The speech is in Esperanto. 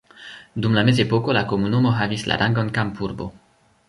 Dum la mezepoko la komunumo havis la rangon kampurbo.